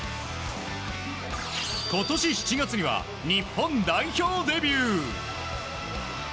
今年７月には日本代表デビュー。